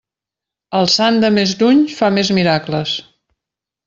El sant de més lluny fa més miracles.